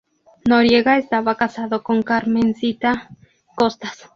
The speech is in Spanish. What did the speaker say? Noriega estaba casado con Carmencita Costas.